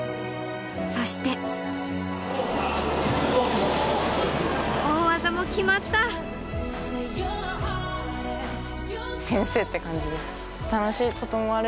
そして大技も決まった！って感じです。